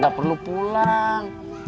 gak perlu pulang